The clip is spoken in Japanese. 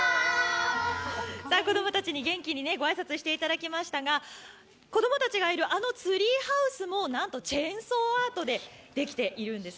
子供たちに元気にご挨拶していただきましたが子供たちがいるツリーハウスもチェンソーアートでできているんです。